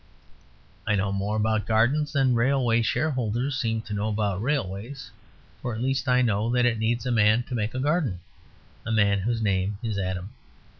I know more about gardens than railway shareholders seem to know about railways: for at least I know that it needs a man to make a garden; a man whose name is Adam.